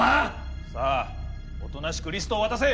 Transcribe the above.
さあおとなしくリストを渡せ！